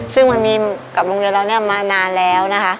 ซึ่งมันมีกับโรงเรียนเราเนี่ยมานานแล้วนะคะ